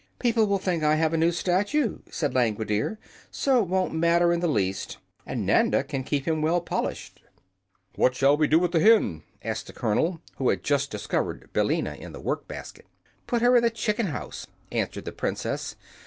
"People will think I have a new statue," said Langwidere, "so it won't matter in the least, and Nanda can keep him well polished." "What shall we do with the hen?" asked the colonel, who had just discovered Billina in the work basket. "Put her in the chicken house," answered the Princess.